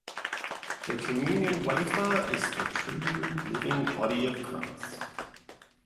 The communion-wafer is the true living body of Christ.